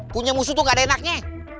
punya musuh tuh gak ada enaknya